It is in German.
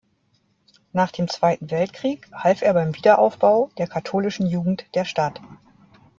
Nach dem Zweiten Weltkrieg half er beim Wiederaufbau der "Katholischen Jugend" der Stadt.